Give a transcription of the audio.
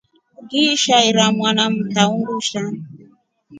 Ngiishi ira mwana mta undushaa.